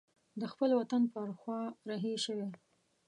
د خپل وطن پر خوا رهي شوی.